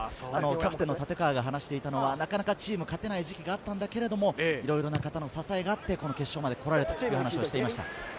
キャプテンの立川が話していたのはなかなかチーム、勝てない時期があったけれども、いろいろな方の支えがあって、決勝まで来られたと話していました。